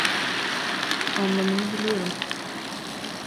Anlamını biliyorum.